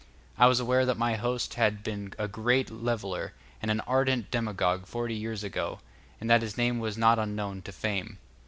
I was aware that my host had been a great leveller and an ardent demagogue forty years ago, and that his name was not unknown to fame.